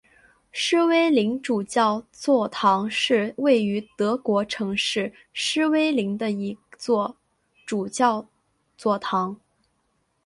诗威林主教座堂是位于德国城市诗威林的一座主教座堂。